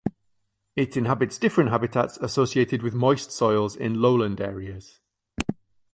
It inhabits different habitats associated with moist soils in lowland areas.